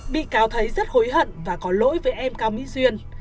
bị cáo thấy rất hối hận và có lỗi với em cao mỹ duyên